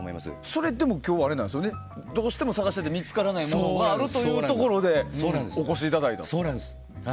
それでも今日、どうしても探してて見つからないものがあるということでお越しいただいたと。